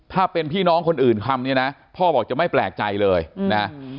ถ้าเป็นพี่น้องคนอื่นทำเนี่ยนะพ่อบอกจะไม่แปลกใจเลยนะ